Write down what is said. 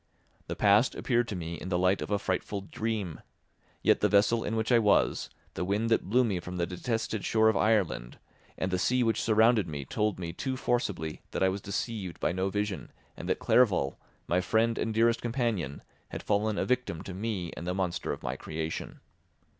The past appeared to me in the light of a frightful dream; yet the vessel in which I was, the wind that blew me from the detested shore of Ireland, and the sea which surrounded me, told me too forcibly that I was deceived by no vision and that Clerval, my friend and dearest companion, had fallen a victim to me and the monster of my creation.